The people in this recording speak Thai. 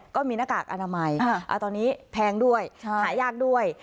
หน้ากากอนามัยตอนนี้แพงด้วยหายากด้วย